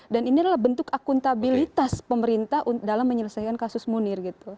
dan ini adalah bentuk akuntabilitas pemerintah dalam menyelesaikan kasus munir gitu